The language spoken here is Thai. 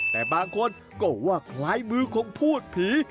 แต่บางคนก็ว่าคล้ายมือของพูดผี